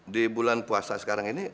di bulan puasa sekarang ini